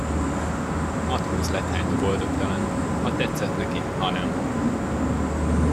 Matróz lett hát a boldogtalan, ha tetszett neki, ha nem.